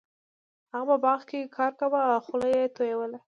هغه په باغ کې کار کاوه او خوله یې تویوله.